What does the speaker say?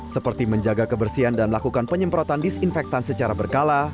seperti menjaga kebersihan dan melakukan penyemprotan disinfektan secara berkala